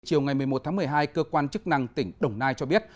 chiều ngày một mươi một tháng một mươi hai cơ quan chức năng tỉnh đồng nai cho biết